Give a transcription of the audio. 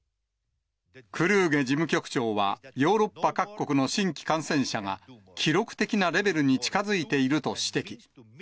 クルーゲ事務局長は、ヨーロッパ各国の新規感染者が記録的なレベルに近づいていると指摘。